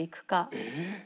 えっ。